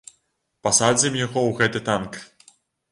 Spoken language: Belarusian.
Пасадзім яго ў гэты танк!